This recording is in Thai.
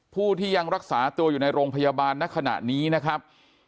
ผู้ที่ยังรักษาตัวอยู่ในโรงพยาบาลณขณะนี้นะครับ